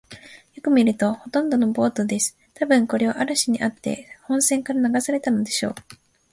よく見ると、ほんとのボートです。たぶん、これは嵐にあって本船から流されたのでしょう。